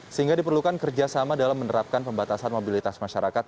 sehingga diperlukan kerjasama dalam menerapkan pembatasan mobilitas masyarakat